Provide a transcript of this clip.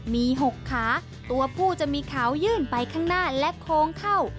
มี๖ขาตัวผู้จะมีขาวยื่นไปข้างหน้าและโค้งเข้า